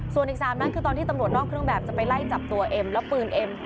ส่วนอีก๓นัดคือตอนที่ตำรวจนอกเครื่องแบบจะไปไล่จับตัวเอ็มแล้วปืนเอ็ม